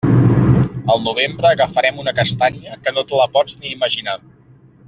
Al novembre agafarem una castanya que no te la pots ni imaginar.